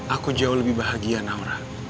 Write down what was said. aku jauh lebih bahagia naura